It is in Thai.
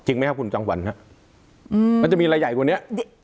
ไหมครับคุณจังหวันครับมันจะมีอะไรใหญ่กว่านี้